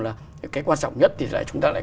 là cái quan trọng nhất thì chúng ta lại